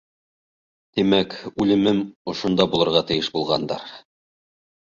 Тимәк, үлемем ошонда булырға тейеш булғандыр.